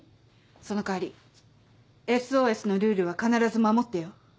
その代わり「ＳＯＳ」のルールは必ず守ってよ。